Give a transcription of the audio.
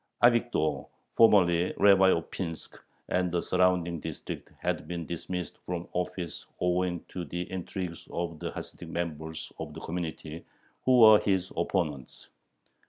Avigdor, formerly rabbi of Pinsk and the surrounding district, had been dismissed from office owing to the intrigues of the Hasidic members of the community, who were his opponents.